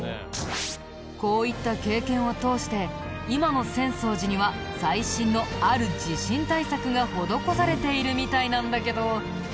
こういった経験を通して今の浅草寺には最新のある地震対策が施されているみたいなんだけど。